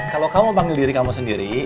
kalo kamu panggil diri kamu sendiri